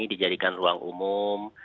dijadikan ruang umum